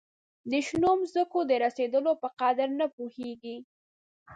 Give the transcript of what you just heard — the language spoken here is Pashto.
د شنو مځکو د رسېدلو په قدر نه پوهیږي.